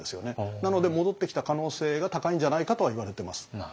なので戻ってきた可能性が高いんじゃないかとはいわれてます。